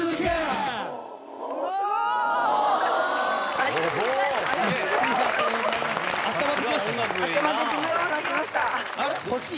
ありがとうございます・欲しい？